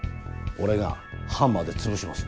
俺がハンマーで潰します。